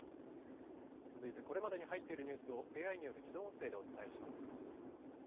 続いてこれまでに入っているニュースをＡＩによる自動音声でお伝えします。